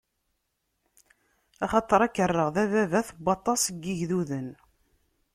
Axaṭer ad k-rreɣ d ababat n waṭas n yigduden.